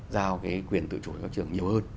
giao cái quyền tự chủ cho trường nhiều hơn